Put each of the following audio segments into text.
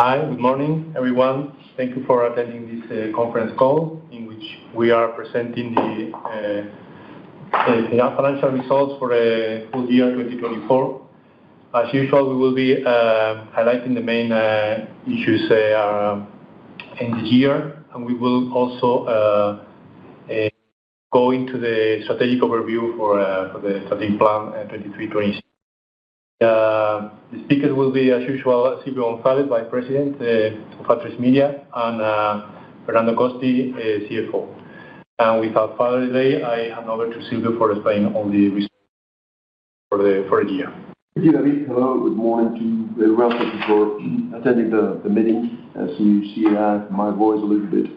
Hi, good morning, everyone. Thank you for attending this conference call in which we are presenting the financial results for the full year 2024. As usual, we will be highlighting the main issues in the year, and we will also go into the strategic overview for the strategic plan 2023-2024. The speakers will be, as usual, Silvio González, Vice President of Atresmedia, and Fernando Costi, CFO. And without further delay, I hand over to Silvio for explaining all the results for the year. Thank you, David. Hello, good morning to the rest of you who are attending the meeting. As you see, my voice is a little bit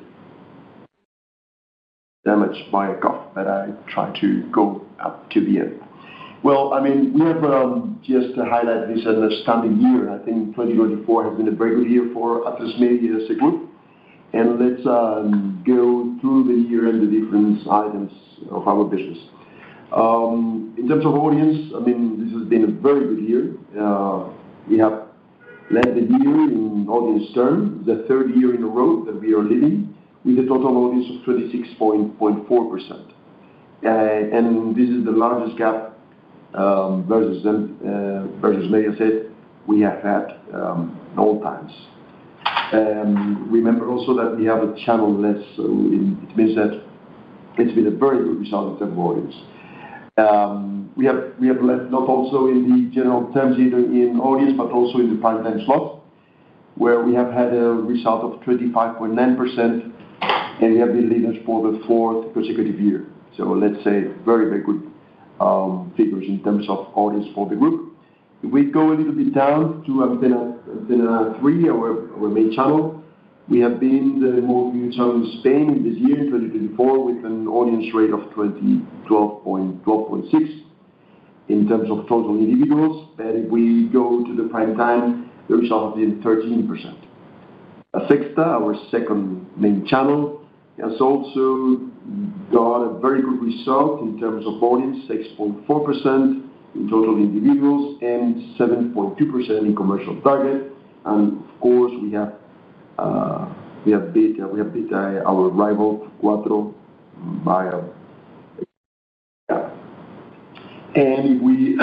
damaged by a cough, but I'll try to get through to the end. I mean, we just have to highlight this outstanding year. I think 2024 has been a very good year for Atresmedia as a group, and let's go through the year and the different items of our business. In terms of audience, I mean, this has been a very good year. We have led the year in audience terms. It's the third year in a row that we are leading with a total audience of 26.4%. And this is the largest gap versus Mediaset we have had of all time. Remember also that we have a channel list, so it means that it's been a very good result in terms of audience. We have led, not also in the general terms in audience, but also in the prime time slots, where we have had a result of 25.9%, and we have been leaders for the fourth consecutive year. So let's say very, very good figures in terms of audience for the group. If we go a little bit down to Antena 3, our main channel, we have been the most viewed channel in Spain this year, in 2024, with an audience rate of 12.6% in terms of total individuals. And if we go to the prime time, the result has been laSexta, our second main channel, has also got a very good result in terms of audience, 6.4% in total individuals and 7.2% in commercial target. Of course, we have beaten our rival, Cuatro, by a year. If we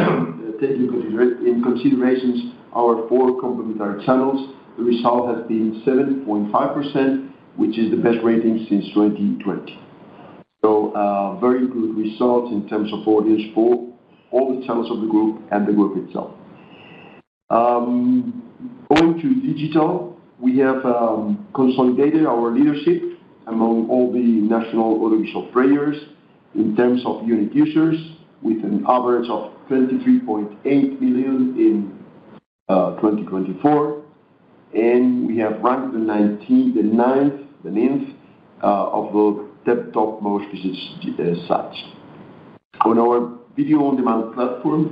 take into consideration our four complementary channels, the result has been 7.5%, which is the best rating since 2020. So very good results in terms of audience for all the channels of the group and the group itself. Going to digital, we have consolidated our leadership among all the national audiovisual players in terms of unique users, with an average of 23.8 million in 2024. And we have ranked the ninth of the top most visits as such. On our video on-demand platform,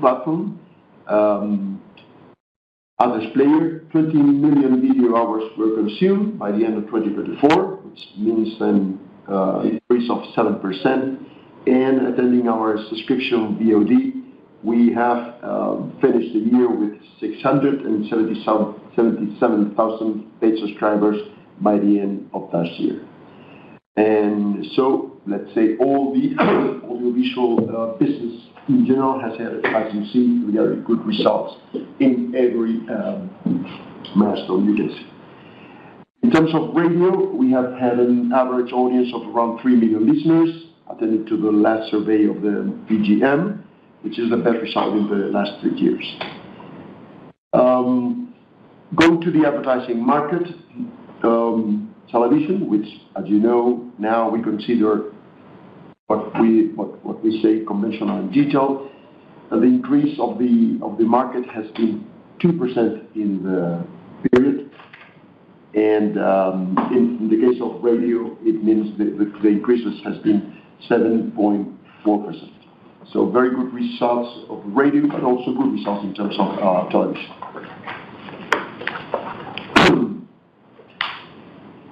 ATRESplayer, 20 million video hours were consumed by the end of 2024, which means an increase of 7%. And as to our subscription VOD, we have finished the year with 677,000 paid subscribers by the end of last year. So let's say all the audiovisual business in general has had a fantastic and very good result in every milestone you can see. In terms of radio, we have had an average audience of around three million listeners according to the last survey of the EGM, which is the best result in the last three years. Going to the advertising market, television, which, as you know, now we consider what we call conventional and digital, the increase of the market has been 2% in the period. And in the case of radio, it means the increase has been 7.4%. So very good results of radio, but also good results in terms of television.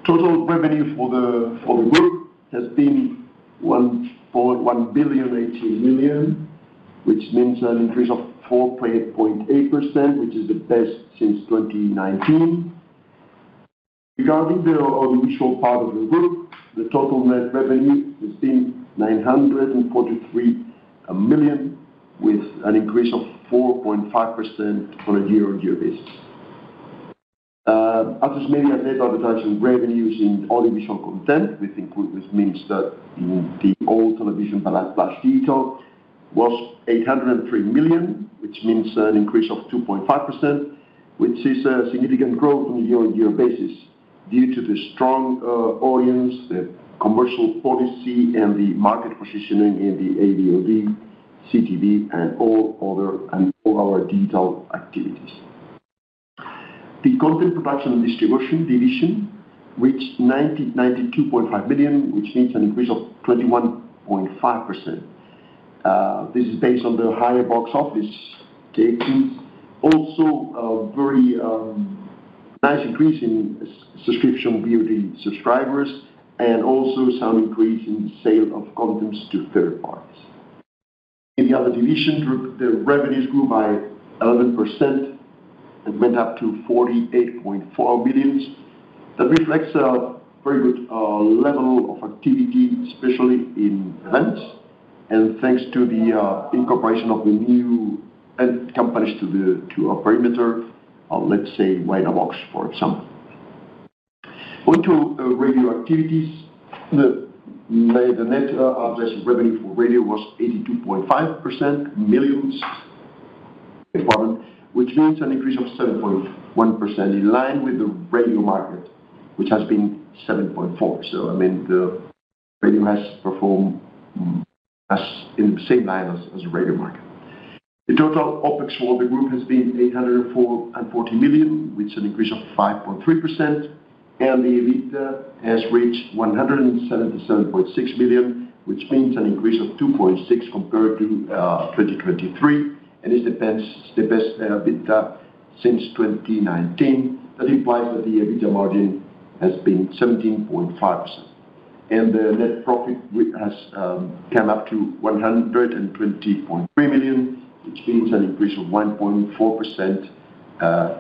Total revenue for the group has been 1.8 billion, which means an increase of 4.8%, which is the best since 2019. Regarding the audiovisual part of the group, the total net revenue has been 943 million, with an increase of 4.5% on a year-on-year basis. Atresmedia's net advertising revenues in audiovisual content, which means that in the old television/digital, was 803 million, which means an increase of 2.5%, which is a significant growth on a year-on-year basis due to the strong audience, the commercial policy, and the market positioning in the AVOD, CTV, and all our digital activities. The content production and distribution division reached 92.5 million, which means an increase of 21.5%. This is based on the higher box office taken. Also, a very nice increase in subscription VOD subscribers and also some increase in the sale of contents to third parties. In the other division, the revenues grew by 11% and went up to 48.4 million. That reflects a very good level of activity, especially in events. Thanks to the incorporation of the new enterprise to our perimeter, let's say Waynabox, for example. Going to radio activities, the net advertising revenue for radio was 82.5 million, which means an increase of 7.1% in line with the radio market, which has been 7.4%. So, I mean, the radio has performed in the same line as the radio market. The total OpEx for the group has been 840 million, which is an increase of 5.3%. The EBITDA has reached 177.6 million, which means an increase of 2.6% compared to 2023. It's the best EBITDA since 2019. That implies that the EBITDA margin has been 17.5%. The net profit has come up to 120.3 million, which means an increase of 1.4%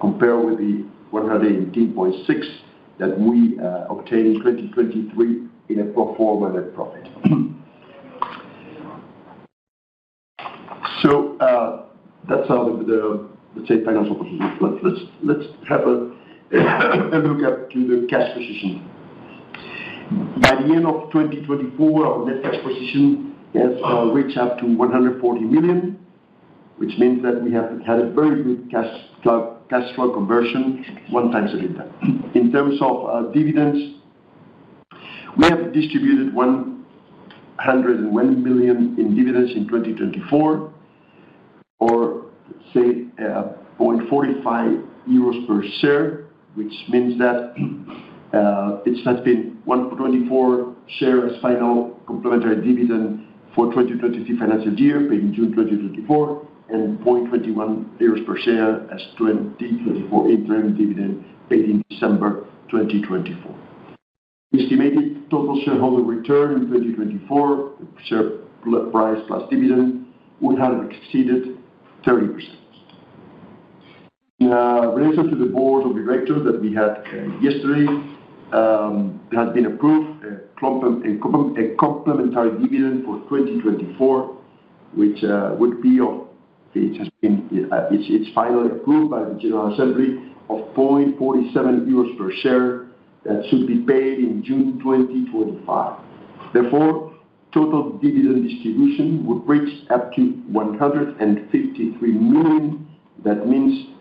compared with the 118.6 million that we obtained in 2023 in a pro forma net profit. So that's an overview of the, let's say, financial position. Let's have a look at the cash position. By the end of 2024, our net cash position has reached up to 140 million, which means that we have had a very good cash flow conversion one time in terms of dividends. We have distributed 101 million in dividends in 2024, or, let's say, 0.45 euros per share, which means that it has been 1.24 shares final complementary dividend for 2023 financial year paid in June 2024, and 0.21 euros per share as 2024 interim dividend paid in December 2024. Estimated total shareholder return in 2024, share price plus dividend, would have exceeded 30%. In relation to the Board of Directors that we had yesterday, there has been approved a complementary dividend for 2024, which would be of 0.47 euros per share. It's finally approved by the General Assembly and should be paid in June 2025. Therefore, total dividend distribution would reach up to 153 million. That means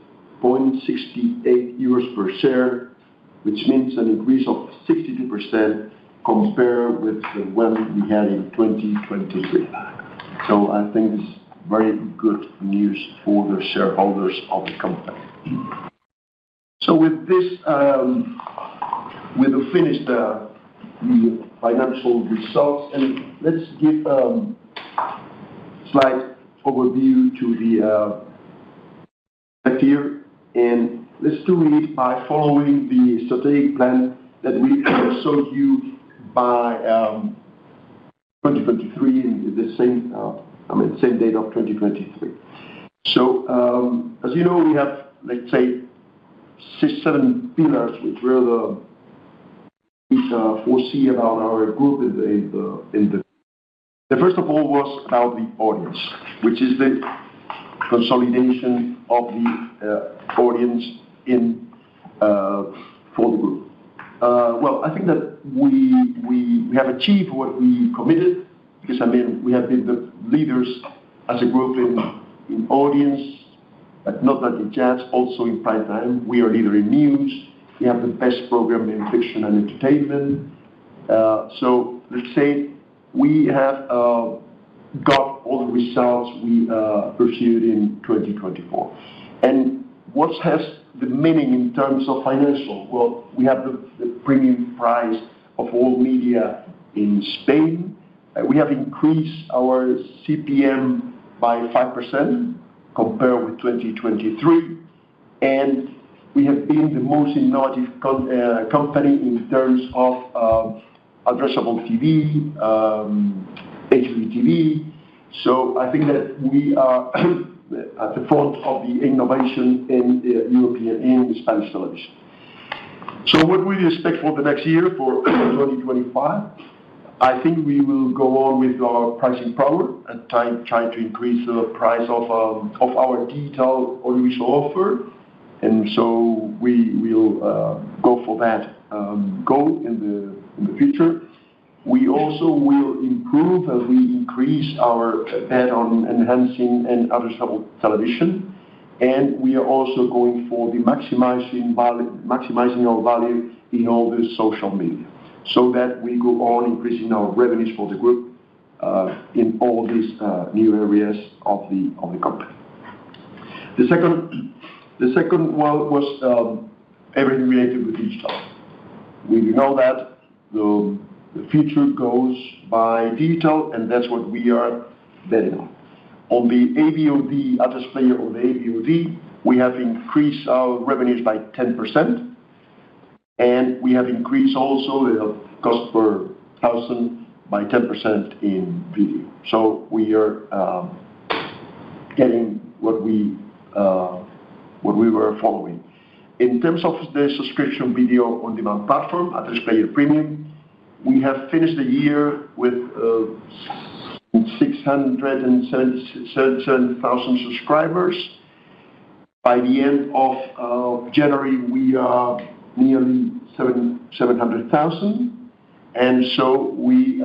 0.68 euros per share, which means an increase of 62% compared with the one we had in 2023. So I think this is very good news for the shareholders of the company. So with this, we have finished the financial results. And let's give a slight overview to the year and let's do it by following the strategic plan that we showed you by 2023 and the same, I mean, same date of 2023. So, as you know, we have, let's say, seven pillars, which were the Four Cs about our group in the. The first of all was about the audience, which is the consolidation of the audience for the group. I think that we have achieved what we committed because, I mean, we have been the leaders as a group in audience, but not only that, also in prime time. We are leader in news. We have the best program in fiction and entertainment. So let's say we have got all the results we pursued in 2024. And what has the meaning in terms of financial? We have the premium price of all media in Spain. We have increased our CPM by 5% compared with 2023. And we have been the most innovative company in terms of addressable TV, HbbTV. So I think that we are at the front of the innovation in European and Spanish television. So what do we expect for the next year for 2025? I think we will go on with our pricing power and try to increase the price of our detailed audiovisual offer, and so we will go for that goal in the future. We also will improve as we increase our bet on enhancing and addressable television, and we are also going for the maximizing our value in all the social media so that we go on increasing our revenues for the group in all these new areas of the company. The second one was everything related with digital. We know that the future goes by digital, and that's what we are betting on. On the AVOD, Atresmedia or the AVOD, we have increased our revenues by 10%. And we have increased also the cost per thousand by 10% in video, so we are getting what we were following. In terms of the subscription video on demand platform, ATRESplayer Premium, we have finished the year with 677,000 subscribers. By the end of January, we are nearly 700,000, and so we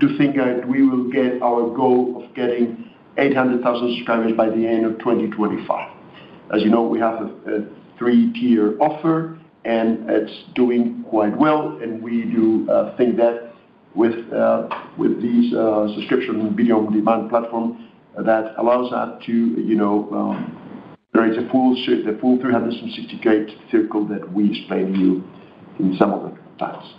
do think that we will get our goal of getting 800,000 subscribers by the end of 2025. As you know, we have a three-tier offer, and it's doing quite well. We do think that with this subscription video on demand platform that allows us to create a full 360-degree circle that we explain to you in some of the files,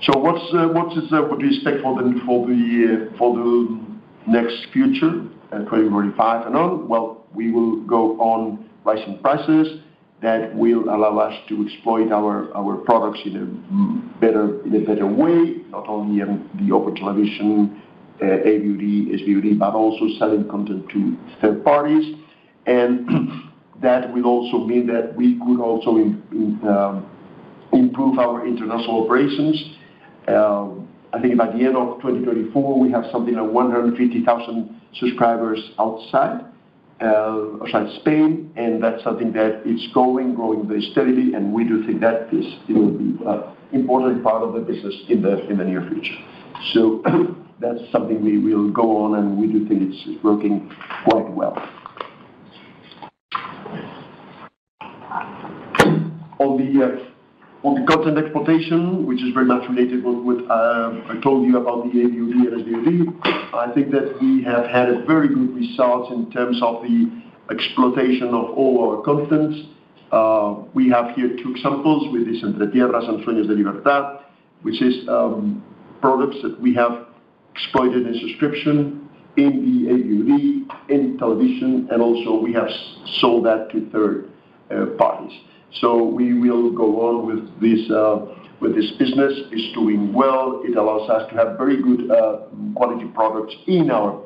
so what do you expect for the next future, 2025 and on? We will go on rising prices that will allow us to exploit our products in a better way, not only on the open television, AVOD, HbbTV, but also selling content to third parties. That will also mean that we could also improve our international operations. I think by the end of 2024, we have something like 150,000 subscribers outside Spain. That's something that is going, growing very steadily. We do think that this will be an important part of the business in the near future. That's something we will go on, and we do think it's working quite well. On the content exploitation, which is very much related to what I told you about the AVOD and HbbTV, I think that we have had a very good result in terms of the exploitation of all our contents. We have here two examples with this Entre Tierras and Sueños de Libertad, which is products that we have exploited in subscription in the AVOD, in television, and also we have sold that to third parties. So we will go on with this business. It's doing well. It allows us to have very good quality products in our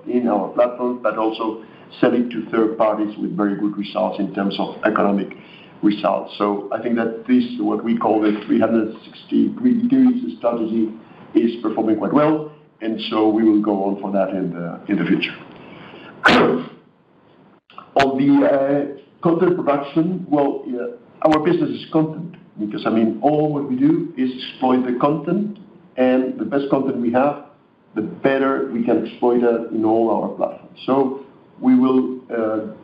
platform, but also selling to third parties with very good results in terms of economic results. So I think that this, what we call the 360-degree strategy, is performing quite well. And so we will go on for that in the future. On the content production, well, our business is content because, I mean, all what we do is exploit the content. And the best content we have, the better we can exploit it in all our platforms. So we will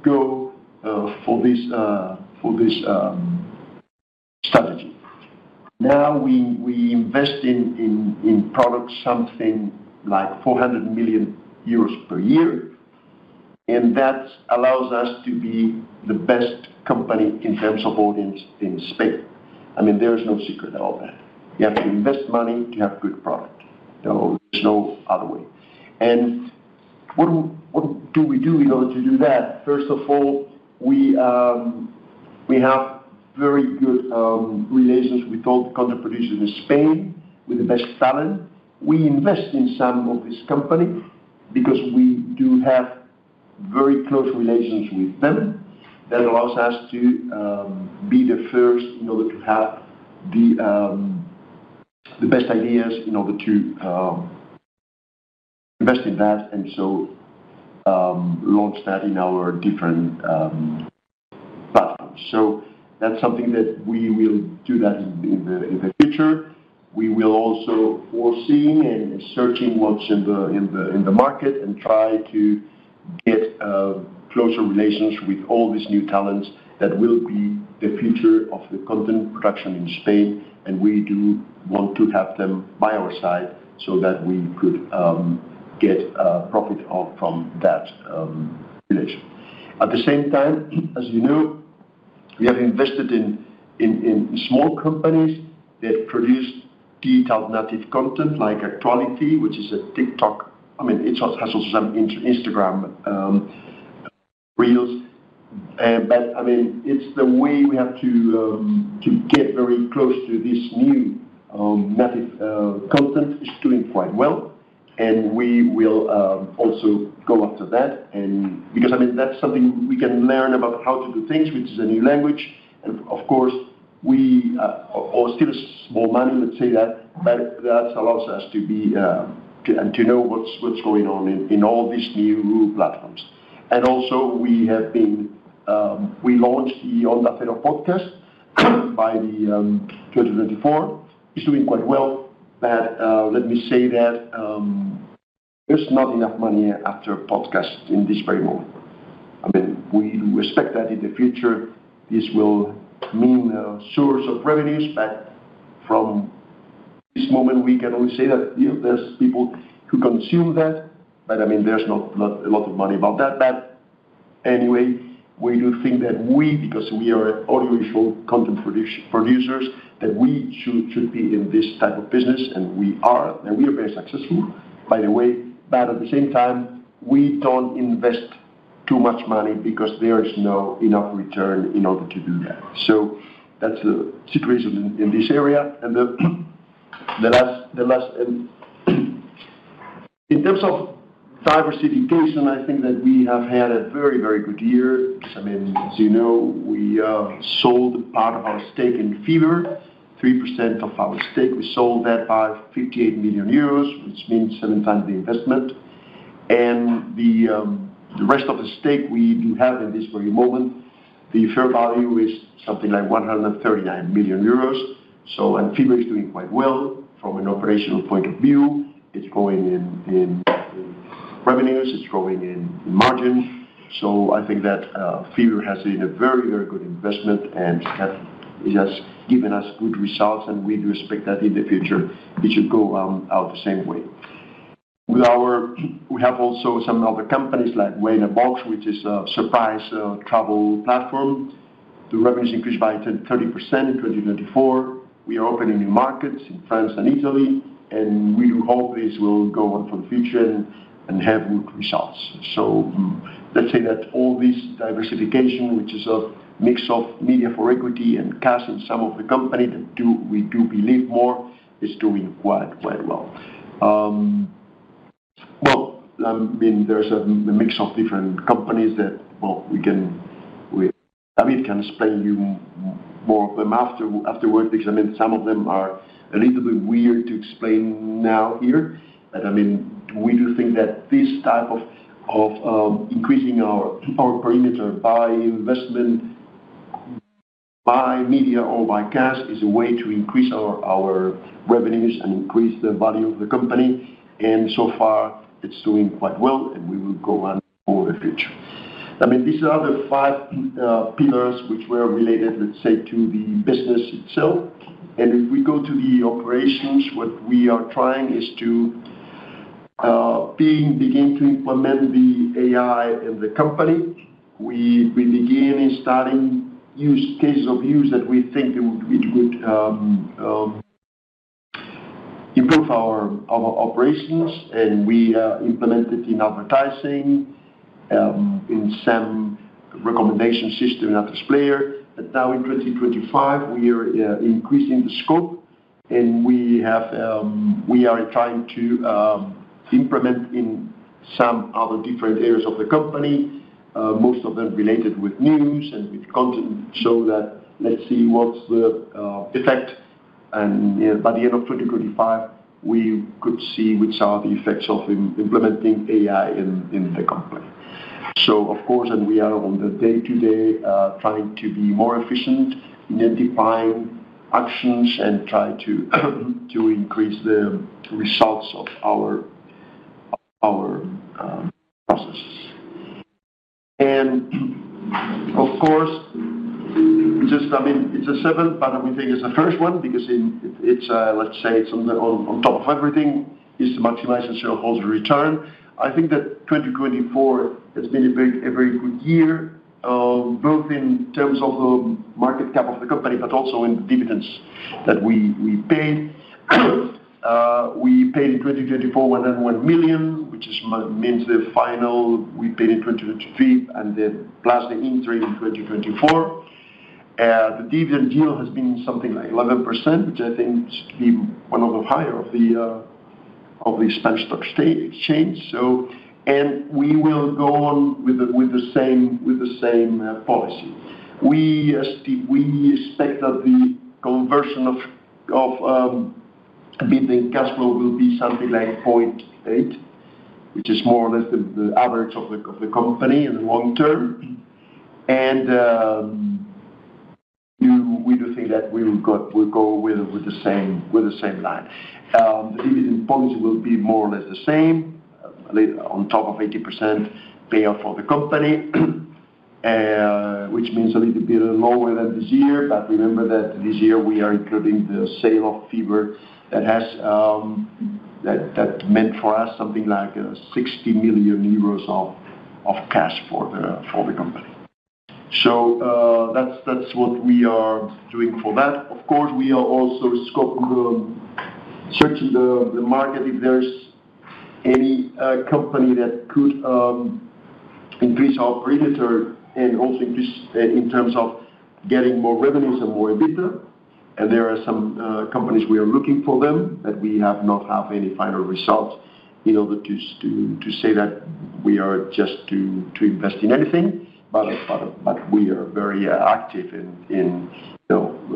go for this strategy. Now we invest in products something like 400 million euros per year. And that allows us to be the best company in terms of audience in Spain. I mean, there is no secret at all that. You have to invest money to have good product. There's no other way, and what do we do in order to do that? First of all, we have very good relations with all the content producers in Spain, with the best talent. We invest in some of these companies because we do have very close relations with them. That allows us to be the first in order to have the best ideas in order to invest in that and so launch that in our different platforms. So that's something that we will do that in the future. We will also foresee and search in what's in the market and try to get closer relations with all these new talents that will be the future of the content production in Spain, and we do want to have them by our side so that we could get profit from that relation. At the same time, as you know, we have invested in small companies that produce detailed native content like Ac2ality, which is a TikTok. I mean, it has also some Instagram reels. But I mean, it's the way we have to get very close to this new native content is doing quite well. And we will also go after that because, I mean, that's something we can learn about how to do things, which is a new language. And of course, we are still small money, let's say that, but that allows us to be and to know what's going on in all these new platforms. And also, we launched the Onda Cero podcast by 2024. It's doing quite well. But let me say that there's not enough money after podcasts in this very moment. I mean, we expect that in the future, this will mean a source of revenues. But from this moment, we can only say that there's people who consume that. But I mean, there's not a lot of money about that. But anyway, we do think that we, because we are audiovisual content producers, that we should be in this type of business. And we are. And we are very successful, by the way. But at the same time, we don't invest too much money because there is no enough return in order to do that. So that's the situation in this area. And the last, in terms of diversification, I think that we have had a very, very good year because, I mean, as you know, we sold part of our stake in Fever, 3% of our stake. We sold that by 58 million euros, which means seven times the investment. And the rest of the stake we do have in this very moment, the fair value is something like 139 million euros. And Fever is doing quite well from an operational point of view. It's growing in revenues. It's growing in margins. So I think that Fever has been a very, very good investment and has given us good results. And we do expect that in the future, it should go out the same way. We have also some other companies like Waynabox, which is a surprise travel platform. The revenues increased by 30% in 2024. We are opening new markets in France and Italy. And we do hope this will go on for the future and have good results. So let's say that all this diversification, which is a mix of media for equity and cash in some of the companies that we do believe in more, is doing quite, quite well. Well, I mean, there's a mix of different companies that, well, I mean, I can explain to you more of them afterwards because, I mean, some of them are a little bit weird to explain now here. But I mean, we do think that this type of increasing our perimeter by investment, by media, or by cash is a way to increase our revenues and increase the value of the company, and so far, it's doing quite well. And we will go on for the future. I mean, these are the five pillars which were related, let's say, to the business itself. And if we go to the operations, what we are trying is to begin to implement the AI in the company. We begin in starting use cases of use that we think would improve our operations. And we implemented in advertising, in some recommendation system in Atresmedia. But now in 2025, we are increasing the scope. And we are trying to implement in some other different areas of the company, most of them related with news and with content so that let's see what's the effect. And by the end of 2025, we could see which are the effects of implementing AI in the company. So, of course, and we are on the day-to-day trying to be more efficient in identifying actions and try to increase the results of our processes. Of course, I mean, it's a seven, but we think it's the first one because it's, let's say, it's on top of everything, is to maximize and still hold the return. I think that 2024 has been a very good year, both in terms of the market cap of the company, but also in the dividends that we paid. We paid in 2024 101 million, which means the final we paid in 2023, and then plus the interim in 2024. The dividend yield has been something like 11%, which I think should be one of the higher of the Spanish stock exchange. We will go on with the same policy. We expect that the conversion of operating cash flow will be something like 0.8, which is more or less the average of the company in the long term. We do think that we will go with the same line. The dividend policy will be more or less the same, on top of 80% pay-out for the company, which means a little bit lower than this year. But remember that this year, we are including the sale of Fever that meant for us something like 60 million euros of cash for the company. So that's what we are doing for that. Of course, we are also searching the market if there's any company that could increase our perimeter and also increase in terms of getting more revenues and more EBITDA. And there are some companies we are looking for them, but we have not had any final result in order to say that we are just to invest in anything. But we are very active in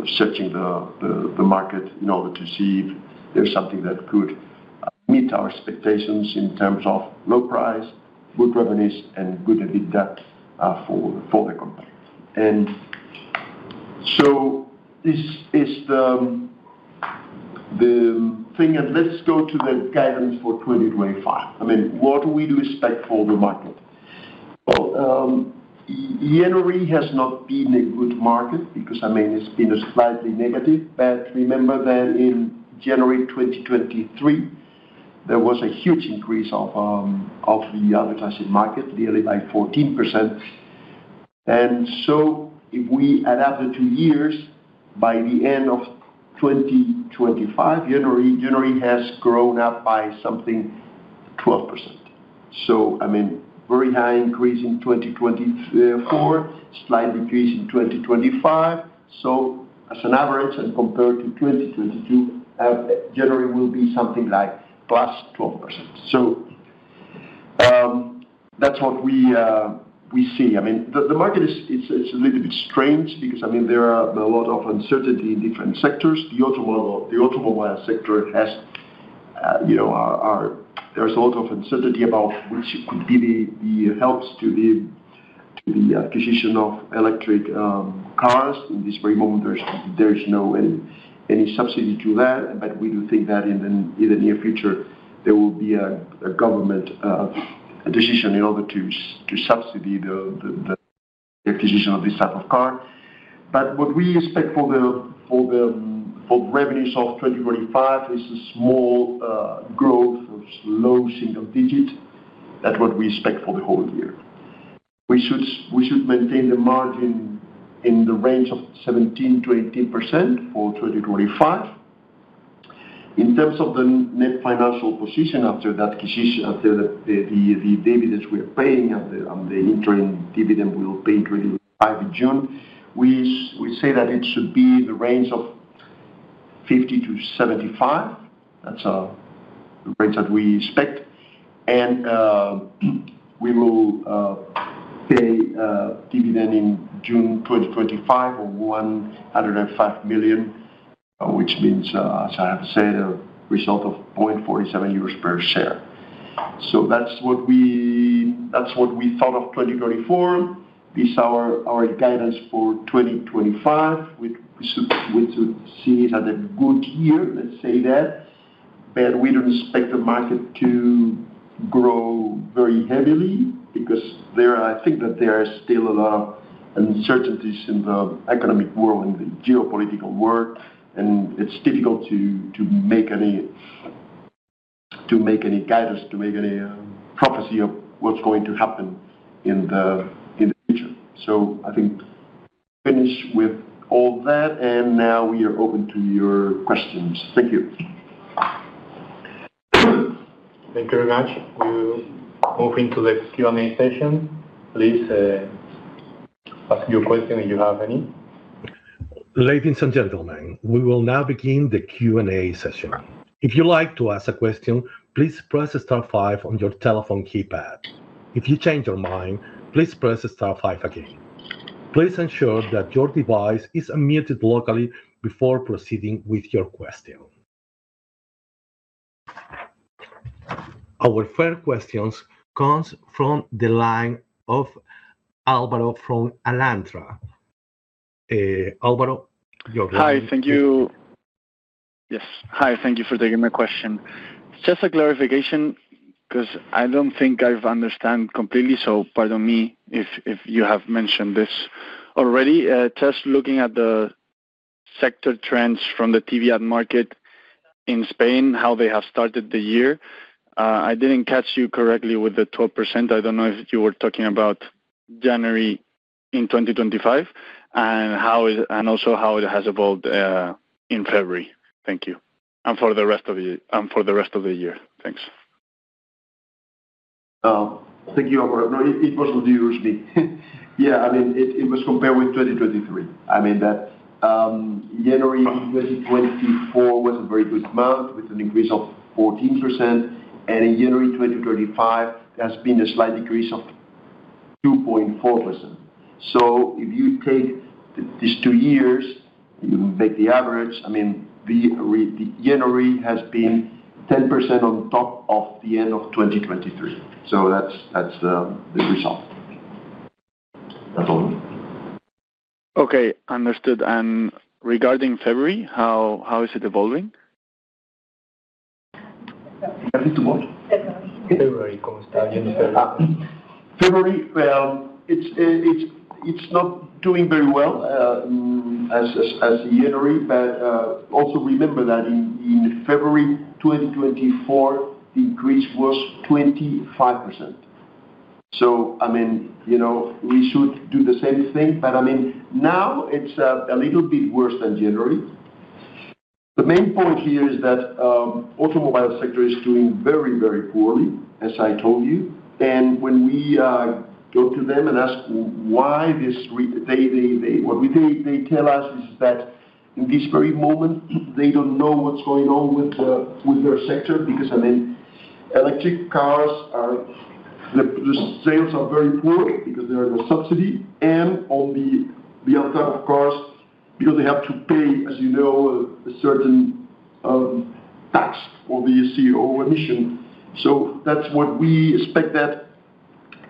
searching the market in order to see if there's something that could meet our expectations in terms of low price, good revenues, and good EBITDA for the company. And so this is the thing. And let's go to the guidance for 2025. I mean, what do we expect for the market? Well, January has not been a good market because, I mean, it's been slightly negative. But remember that in January 2023, there was a huge increase of the advertising market, nearly by 14%. And so if we adapt the two years, by the end of 2025, January has grown up by something 12%. So, I mean, very high increase in 2024, slight decrease in 2025. So as an average, and compared to 2022, January will be something like plus 12%. So that's what we see. I mean, the market is a little bit strange because, I mean, there are a lot of uncertainty in different sectors. The automobile sector has there's a lot of uncertainty about which could be the help to the acquisition of electric cars. In this very moment, there's no any subsidy to that. But we do think that in the near future, there will be a government decision in order to subsidy the acquisition of this type of car. But what we expect for the revenues of 2025 is a small growth of low single digit. That's what we expect for the whole year. We should maintain the margin in the range of 17%-18% for 2025. In terms of the net financial position after the dividends we are paying and the interim dividend we'll pay in 2025 in June, we say that it should be in the range of 50 million to 75 million. That's the range that we expect, and we will pay dividend in June 2025 of 105 million, which means, as I have said, a result of 0.47 euros per share, so that's what we thought of 2024. This is our guidance for 2025. We should see it as a good year, let's say that, but we don't expect the market to grow very heavily because I think that there are still a lot of uncertainties in the economic world, in the geopolitical world, and it's difficult to make any guidance, to make any prophecy of what's going to happen in the future, so I think we finish with all that. Now we are open to your questions. Thank you. Thank you very much. We'll move into the Q&A session. Please ask your question if you have any. Ladies and gentlemen, we will now begin the Q&A session. If you'd like to ask a question, please press star five on your telephone keypad. If you change your mind, please press star five again. Please ensure that your device is unmuted locally before proceeding with your question. Our first question comes from the line of Álvaro from Alantra. Álvaro, your turn. Hi. Thank you. Yes. Hi. Thank you for taking my question. Just a clarification because I don't think I've understood completely, so pardon me if you have mentioned this already. Just looking at the sector trends from the TV ad market in Spain, how they have started the year, I didn't catch you correctly with the 12%. I don't know if you were talking about January in 2025 and also how it has evolved in February. Thank you. And for the rest of the year. Thanks. Thank you, Álvaro. No, it wasn't usually. Yeah. I mean, it was compared with 2023. I mean, that January 2024 was a very good month with an increase of 14%, and in January 2025, there has been a slight decrease of 2.4%. So if you take these two years, you make the average. I mean, January has been 10% on top of the end of 2023, so that's the result. That's all. Okay. Understood and regarding February, how is it evolving? February? February, Costa. February, well, it's not doing as well as January. But also remember that in February 2024, the increase was 25%. So, I mean, we should do the same thing. But, I mean, now it's a little bit worse than January. The main point here is that the automobile sector is doing very, very poorly, as I told you. And when we go to them and ask why, this is what they tell us is that in this very moment, they don't know what's going on with their sector because, I mean, electric cars, the sales are very poor because they're on a subsidy. And on the other type of cars, because they have to pay, as you know, a certain tax or the CO2 emissions. So that's what we expect that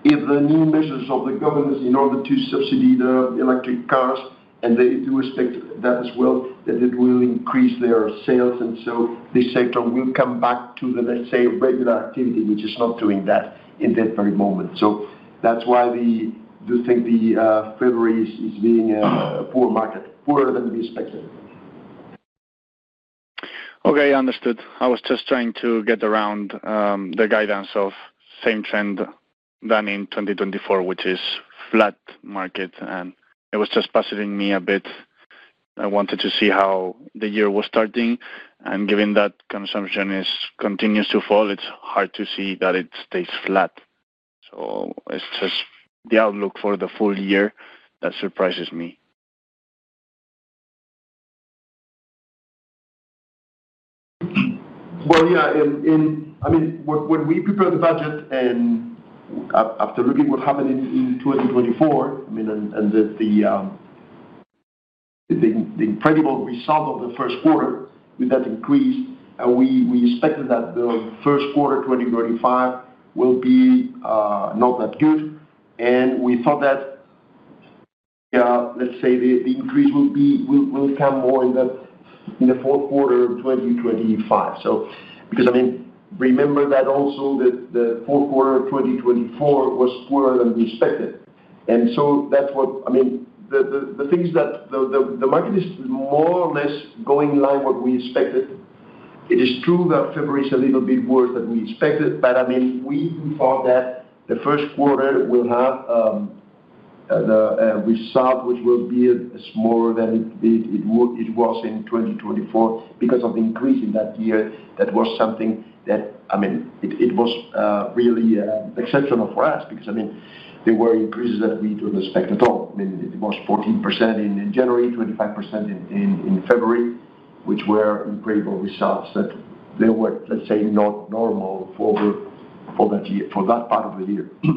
if the new measures of the government in order to subsidize the electric cars, and they do expect that as well, that it will increase their sales. And so this sector will come back to the, let's say, regular activity, which is not doing that in that very moment. So that's why we do think February is being a poor market, poorer than we expected. Okay. Understood. I was just trying to get around the guidance of same trend than in 2024, which is flat market. And it was just puzzling me a bit. I wanted to see how the year was starting. And given that consumption continues to fall, it's hard to see that it stays flat. So it's just the outlook for the full year that surprises me. Well, yeah. I mean, when we prepared the budget and after looking at what happened in 2024, I mean, and the incredible result of the first quarter with that increase, we expected that the first quarter 2025 will be not that good, and we thought that, yeah, let's say the increase will come more in the fourth quarter of 2025. So because, I mean, remember that also the fourth quarter of 2024 was poorer than we expected, and so that's what, I mean, the thing is that the market is more or less going in line with what we expected. It is true that February is a little bit worse than we expected, but, I mean, we thought that the first quarter will have a result which will be smaller than it was in 2024 because of the increase in that year. That was something that, I mean, it was really exceptional for us because, I mean, there were increases that we didn't expect at all. I mean, it was 14% in January, 25% in February, which were incredible results that they were, let's say, not normal for that part of the year.